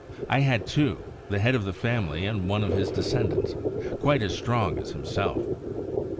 I had two, the head of the family and one of his descendants, quite as strong as himself.